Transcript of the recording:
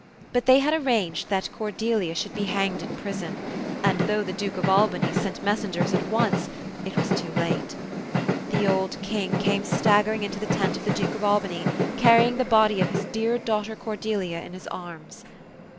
But they had arranged that Cordelia should be hanged in prison, and though the Duke of. Albany sent messengers at once, it was too late. The old King came staggering into the tent of the Duke of Albany, carrying the body of his dear daughter Cordelia in his arms.